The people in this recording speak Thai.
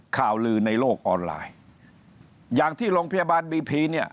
ข่าวลือในโลกออนไลน์อย่างที่โรงพยาบาลบีพีเนี่ย